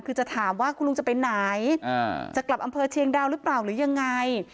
คือจะถามว่าคุณลุงจะไปไหนจะกลับอำเภอเชียงดาวหรือเปล่าหรือยังไง